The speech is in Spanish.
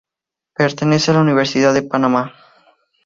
Pertenece a la Universidad de Panamá.